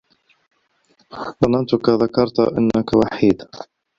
ظننتك ذكرت أنك وحيد.